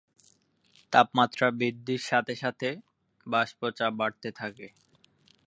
তাপমাত্রা বৃদ্ধির সাথে সাথে, বাষ্প চাপ বাড়তে থাকে।